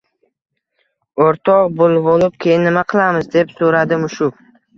– O‘rtoq bo‘lvolib, keyin nima qilamiz? – deb so‘radi mushuk